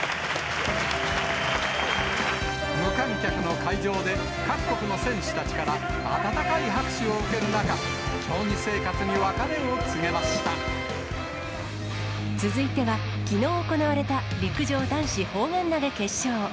無観客の会場で、各国の選手たちから温かい拍手を受ける中、競技生活に別れを告げ続いては、きのう行われた陸上男子砲丸投げ決勝。